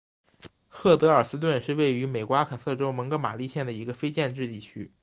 赫德尔斯顿是位于美国阿肯色州蒙哥马利县的一个非建制地区。